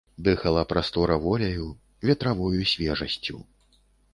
Дыхала прастора воляю, ветравою свежасцю.